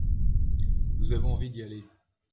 Nous avons envie d'y aller.